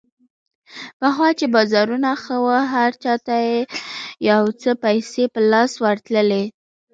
پخوا چې بازارونه ښه وو، هر چا ته یو څه پیسې په لاس ورتللې.